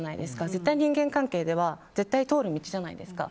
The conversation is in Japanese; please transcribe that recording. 絶対、人間関係では通る道じゃないですか。